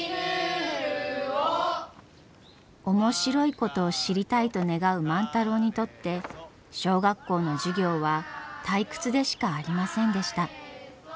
面白いことを知りたいと願う万太郎にとって小学校の授業は退屈でしかありませんでした。